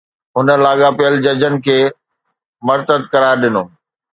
هن لاڳاپيل ججن کي مرتد قرار ڏنو